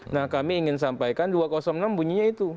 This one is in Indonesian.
nah kami ingin sampaikan dua ratus enam bunyinya itu